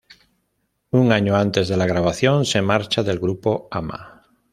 Un año antes de la grabación se marcha del grupo Ama.